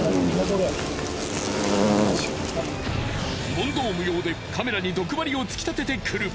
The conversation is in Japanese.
問答無用でカメラに毒針を突き立ててくる。